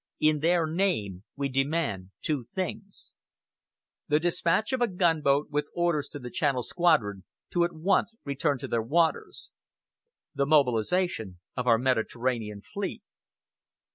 In their name, we demand two things: "The dispatch of a gunboat with orders to the Channel Squadron to at once return to their waters. "The mobilization of our Mediterranean Fleet."